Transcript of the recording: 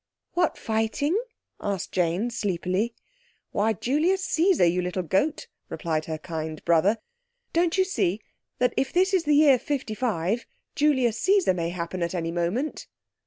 "What fighting?" asked Jane sleepily. "Why, Julius Caesar, you little goat," replied her kind brother. "Don't you see that if this is the year fifty five, Julius Caesar may happen at any moment."